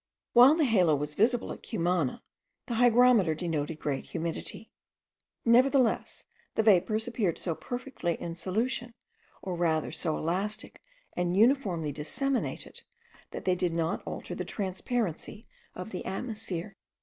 While the halo was visible at Cumana, the hygrometer denoted great humidity; nevertheless the vapours appeared so perfectly in solution, or rather so elastic and uniformly disseminated, that they did not alter the transparency of the atmosphere.